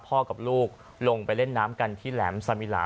กับลูกลงไปเล่นน้ำกันที่แหลมสมิลา